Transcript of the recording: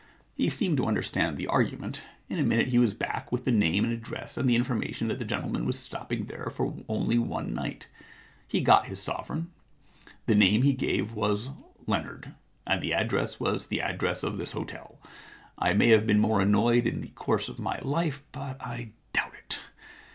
He seemed to understand the argument. In a minute he was back with the name and address and the information that the gentle man was stopping there for only one night. He got his sovereign. The name he gave was Leonard, and the address was the address of this hotel. I may have been more annoyed in the course of my life, but I doubt it.